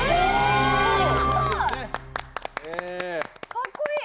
かっこいい！